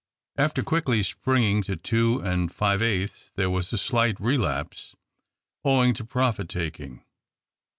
After quickly springing to two and five eighths, there was a slight relapse owing to profit taking.